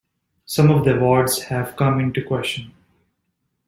Some of the awards have come into question.